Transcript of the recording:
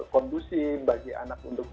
kondusif bagi anak untuk